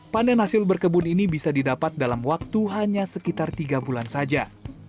panen hasil berkebun ini bisa didapat dalam waktu hanya sekitar tiga bulan saja